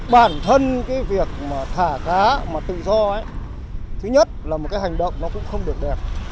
bản thân cái việc mà thả cá mà tự do thứ nhất là một cái hành động nó cũng không được đẹp